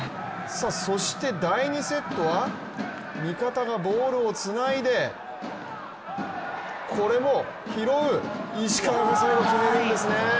そして第２セットは、味方がボールをつないでこれも拾う、石川が最後に決めるんですね。